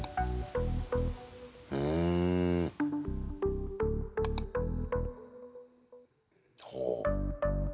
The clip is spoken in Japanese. うん。ほう。